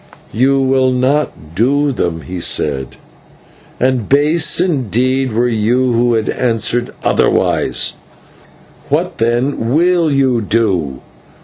"You will not do them," he said, "and base indeed were you had you answered otherwise. What, then, will you do?